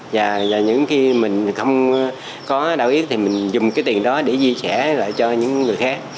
và những khi mình không có đau ý thì mình dùng cái tiền đó để chia sẻ lại cho những người khác